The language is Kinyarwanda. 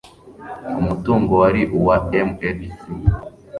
umutungo wari uwa mhc